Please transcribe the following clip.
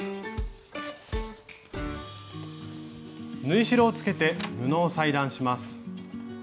縫い代をつけて布を裁断します。